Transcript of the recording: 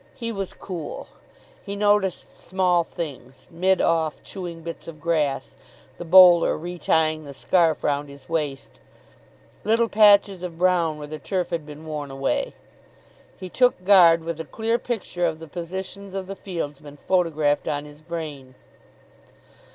He was cool. He noticed small things mid off chewing bits of grass, the bowler re tying the scarf round his waist, little patches of brown where the turf had been worn away. He took guard with a clear picture of the positions of the fieldsmen photographed on his brain.